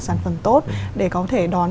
sản phẩm tốt để có thể đón